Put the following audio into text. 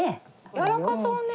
やらかそうね。